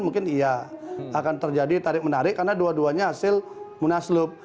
mungkin iya akan terjadi tarik menarik karena dua duanya hasil munaslup